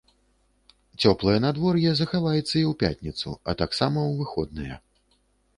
Цёплае надвор'е захаваецца і ў пятніцу, а таксама ў выходныя.